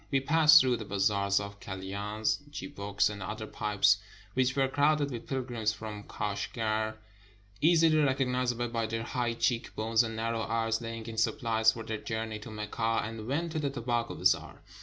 We passed through the bazaars of kalyans, chibouks, and other pipes, which were crowded with pilgrims from Kashgar, easily recognizable by their high cheek bones and narrow eyes, la5dng in supplies for their journey to Mecca, and went to the Tobacco Bazaar.